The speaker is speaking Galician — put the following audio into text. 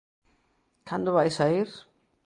Cando vai saír?